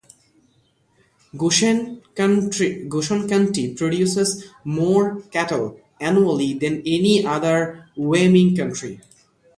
Goshen County produces more cattle annually than any other Wyoming county.